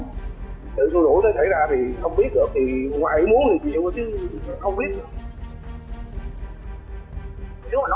tự thu đuổi nó xảy ra thì không biết được thì ngoại muốn thì chịu mà chứ không biết